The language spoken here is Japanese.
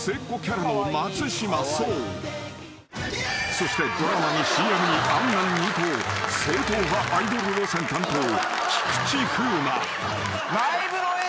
［そしてドラマにＣＭに『ａｎａｎ』にと正統派アイドル路線担当菊池風磨］